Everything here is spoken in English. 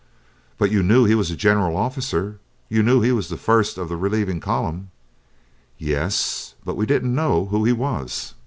"But you knew he was a general officer, you knew he was the first of the relieving column?" "Ye es, but we didn't know who he was."